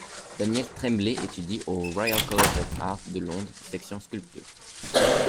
Daniel Tremblay étudie au Royal College of Art de Londres, section sculpture.